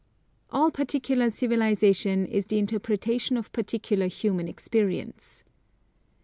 All particular civilisation is the interpretation of particular human experience.